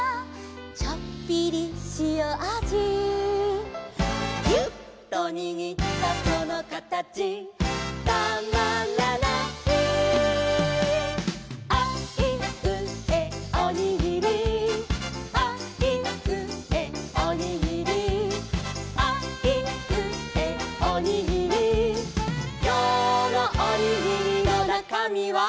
「ちょっぴりしおあじ」「ギュッとにぎったそのかたちたまらない」「あいうえおにぎり」「あいうえおにぎり」「あいうえおにぎり」「きょうのおにぎりのなかみは？」